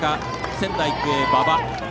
仙台育英の馬場。